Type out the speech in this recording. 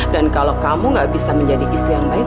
dan kalau kamu nggak bisa menjadi istri yang baik